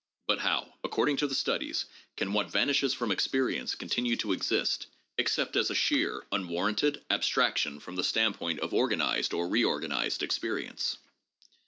But how, according to the "Studies," can what vanishes from experience continue to exist except as a sheer (unwar 596 THE JOURNAL OF PHILOSOPHY ranted?) abstraction from the standpoint of organized or reorgan ized experience?